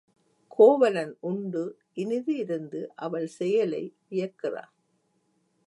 கோவலன் உண்டு இனிது இருந்து அவள் செயலை வியக்கிறான்.